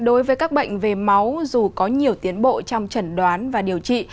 đối với các bệnh về máu dù có nhiều tiến bộ trong trần đoán và điều trị